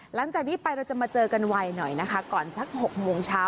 หลังจากนี้ไปเราจะมาเจอกันไวหน่อยนะคะก่อนสัก๖โมงเช้า